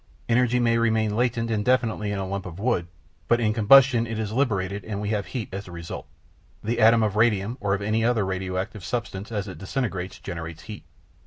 Energy may remain latent indefinitely in a lump of wood, but in combustion it is liberated, and we have heat as a result. The atom of radium or of any other radio active substance, as it disintegrates, generates heat.